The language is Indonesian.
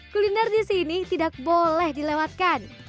kuliner di sini tidak boleh dilewatkan